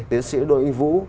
tiến sĩ đội yên vũ